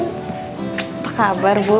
apa kabar bu